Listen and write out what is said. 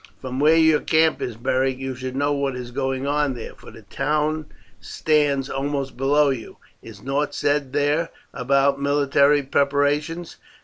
From where your camp is, Beric, you should know what is going on there, for the town stands almost below you. Is nought said there about military preparations?"